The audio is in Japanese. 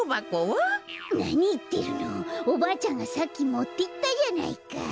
なにいってるのおばあちゃんがさっきもっていったじゃないか。